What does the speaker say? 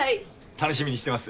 楽しみにしてます。